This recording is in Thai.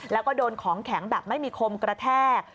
แล้วก็โดนของแข็งแบบไม่มีคมกระแทก